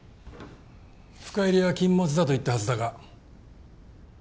深入りは禁物だと言ったはずだが。